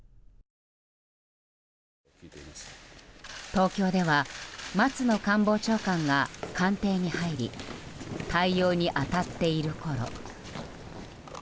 東京では松野官房長官が官邸に入り対応に当たっているころ